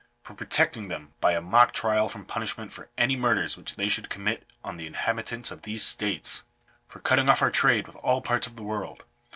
" For protecting them by a mock trial from punishment for any murders which they should commit on the inhabitants of these states. " For cutting off our trade with all parts of the world.